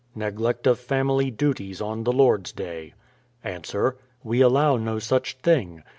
Neglect of family duties on the Lord's day. Ans: We allow no such thing.